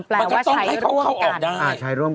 มันก็ต้องให้เขาเข้าออกได้